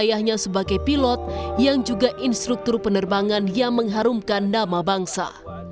ayahnya sebagai pilot yang juga instruktur penerbangan yang mengharumkan nama bangsa